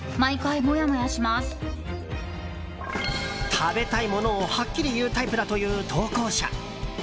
食べたいものをはっきり言うタイプだという投稿者。